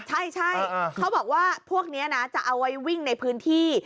ใช่เขาบอกว่าพวกนี้นะจะเอาไว้วิ่งในพื้นที่